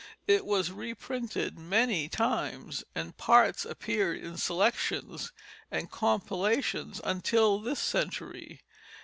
It was reprinted many times, and parts appeared in selections and compilations until this century.